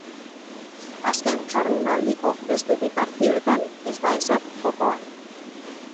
Azken jardunaldiko beste bi partidetan ez da ezer jokoan.